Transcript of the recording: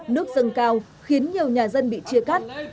nước dâng cao khiến nhiều nhà dân bị chia cắt